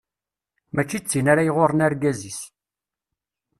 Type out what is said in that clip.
Mačči d tin ara iɣurren argaz-is.